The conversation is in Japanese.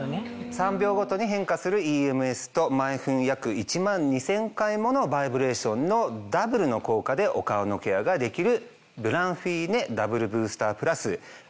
３秒ごとに変化するＥＭＳと毎分約１万２０００回ものバイブレーションのダブルの効果でお顔のケアができる。